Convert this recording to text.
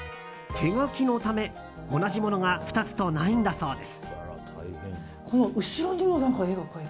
手書きのため、同じものが２つとないんだそうです。